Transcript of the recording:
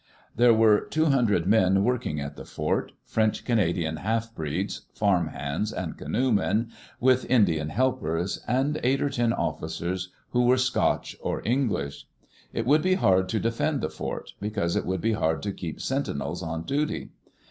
There were two hundred men working at the fort — French Canadian half breeds, farm hands and canoemen, with Indian helpers, and eight or ten officers, who were Scotch or English. It would be hard to defend the fort, because it would be hard to keep sentinels on duty.